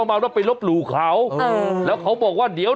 ไม่เกี่ยว